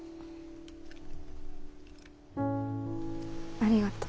ありがとう。